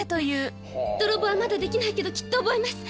泥棒はまだできないけどきっと覚えます。